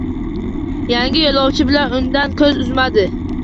Yangi yo’lovchi bilan undan ko’z uzmasdi